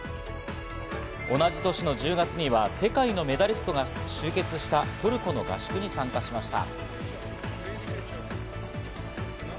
同じ年の１０月には世界のメダリストが集結したトルコの合宿に参加しました。